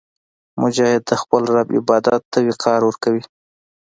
مجاهد د خپل رب عبادت ته وقار ورکوي.